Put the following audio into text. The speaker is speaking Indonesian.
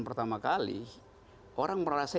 pertama kali orang merasa